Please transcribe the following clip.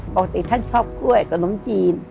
ปกติท่านชอบกล้วยขนมจีน